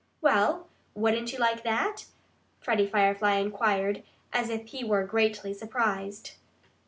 "Well, wouldn't you like that?" Freddie Firefly inquired, as if he were greatly surprised.